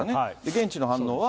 現地の反応は。